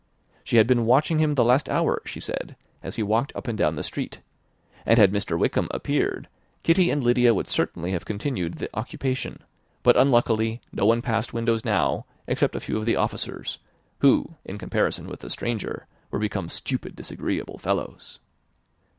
She had been watching him the last hour, she said, as he walked up and down the street, and had Mr. Wickham appeared, Kitty and Lydia would certainly have continued the occupation; but unluckily no one passed the windows now except a few of the officers, who, in comparison with the stranger, were become "stupid, disagreeable fellows."